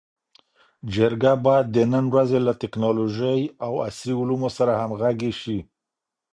جرګه باید د نن ورځې له ټکنالوژۍ او عصري علومو سره همږغي سي.